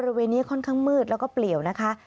บริเวณนี้ค่อนข้างมืดแล้วก็เปลี่ยวนะคะ